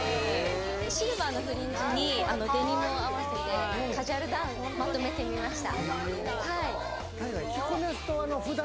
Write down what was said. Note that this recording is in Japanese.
シルバーのフリンジにデニムを合わせてカジュアルダウンでまとめてみました。